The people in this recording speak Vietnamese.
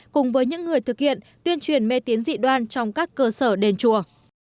cùng với những người thực hiện tuyên truyền mê tín dị đoan trong các cơ sở đền chùa